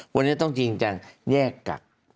วันนี้ต้องจริงจังแยกกัก